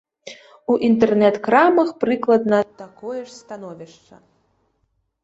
У інтэрнэт-крамах прыкладна такое ж становішча.